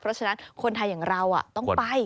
เพราะฉะนั้นคนไทยอย่างเราต้องไป